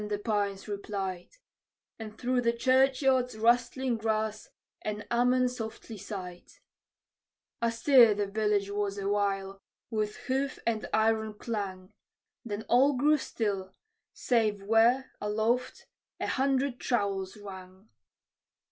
the pines replied; And through the churchyard's rustling grass an "Amen" softly sighed. Astir the village was awhile, with hoof and iron clang; Then all grew still, save where, aloft, a hundred trowels rang.